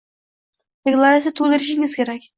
Deklaratsiya to'ldirishingiz kerak.